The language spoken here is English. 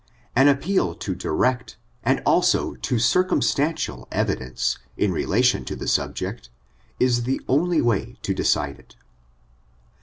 An appeal to direct, and also to circumstan tial evidence, in relation to the subject, is the only way to decide it.